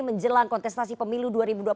menjelang kontestasi pemilu dua ribu dua puluh empat